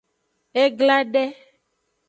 E gla de.